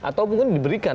atau mungkin diberikan